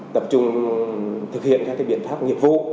tập trung thực hiện các biện pháp nghiệp vụ